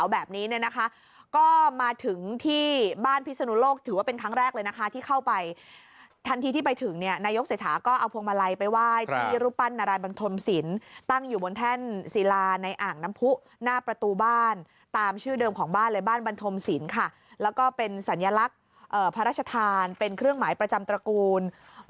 แบบนี้เนี่ยนะคะก็มาถึงที่บ้านพิศนุโลกถือว่าเป็นครั้งแรกเลยนะคะที่เข้าไปทันทีที่ไปถึงเนี่ยนายกเศรษฐาก็เอาพวงมาลัยไปไหว้ที่รูปปั้นนารายบันทมศิลป์ตั้งอยู่บนแท่นศิลาในอ่างน้ำผู้หน้าประตูบ้านตามชื่อเดิมของบ้านเลยบ้านบันทมศิลป์ค่ะแล้วก็เป็นสัญลักษณ์พระราชทานเป็นเครื่องหมายประจำตระกูล